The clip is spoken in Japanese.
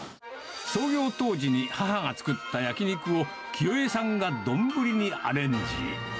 創業当時に母が作った焼き肉を、清枝さんが丼にアレンジ。